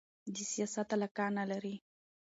د سیاست علاقه نه لري